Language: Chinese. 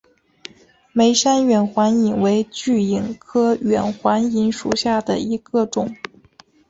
梅山远环蚓为巨蚓科远环蚓属下的一个种。